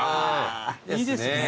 いいですね。